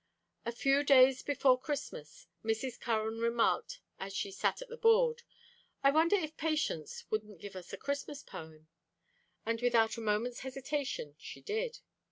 A few days before Christmas, Mrs. Curran remarked as she sat at the board: "I wonder if Patience wouldn't give us a Christmas poem." And without a moment's hesitation she did.